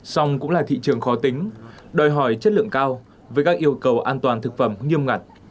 song cũng là thị trường khó tính đòi hỏi chất lượng cao với các yêu cầu an toàn thực phẩm nghiêm ngặt